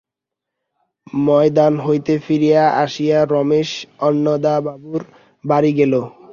ময়দান হইতে ফিরিয়া আসিয়া রমেশ অন্নদাবাবুর বাড়ি গেল।